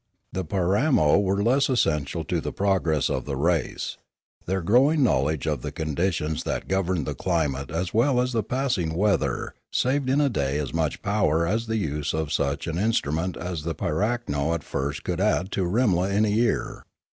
The Piranio were thus essential to the progress of the race; their growing knowledge of the conditions that governed the climate as well as the passing weather saved in a day as much power as the use of such an in strument as the pirakno at first could add to Rimla in a year.